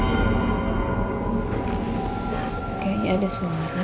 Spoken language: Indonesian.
kayaknya ada suara